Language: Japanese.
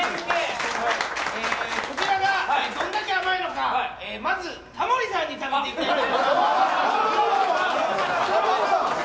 こちらがどんだけ甘いのか、まず、タモリさんに食べていただきたいと思います。